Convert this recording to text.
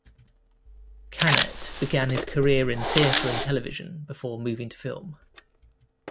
Canet began his career in theatre and television before moving to film.